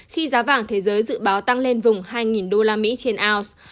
khi giá vàng thế giới dự báo tăng lên vùng hai usd trên ounce